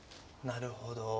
なるほど。